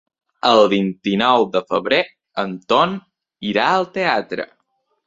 El vint-i-nou de febrer en Ton irà al teatre.